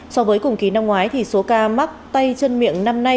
so với cùng ký năm ngoái số ca mắc tay chân miệng năm nay